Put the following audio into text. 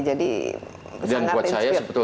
jadi sangat inspiratif